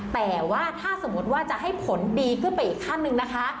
แต่ว่าถ้าสมมุติว่าจะให้ผลดีขึ้นไปอีกขั้นหนึ่งนะคะ